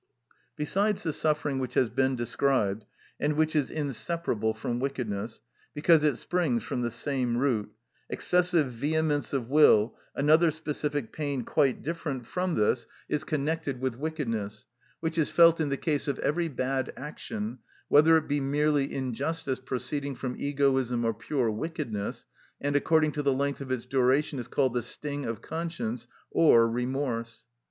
Besides the suffering which has been described, and which is inseparable from wickedness, because it springs from the same root, excessive vehemence of will, another specific pain quite different from this is connected with wickedness, which is felt in the case of every bad action, whether it be merely injustice proceeding from egoism or pure wickedness, and according to the length of its duration is called the sting of conscience or remorse.